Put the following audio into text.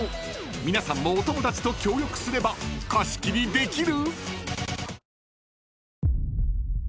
［皆さんもお友達と協力すれば貸し切りできる！？］